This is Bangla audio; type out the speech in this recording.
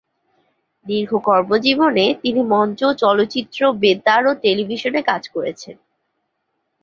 দীর্ঘ কর্মজীবনে তিনি মঞ্চ, চলচ্চিত্র, বেতার ও টেলিভিশনে কাজ করেছেন।